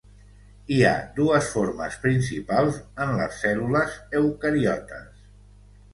Hi ha dues formes principals en les cèl·lules eucariotes.